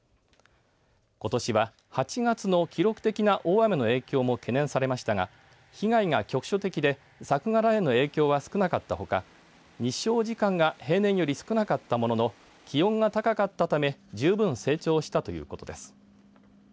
ことしは８月の記録的な大雨の影響も懸念されましたが被害が局所的で作柄への影響は少なかったほか日照時間が平年より少なかったものの気温が高かったため十分成長したということです。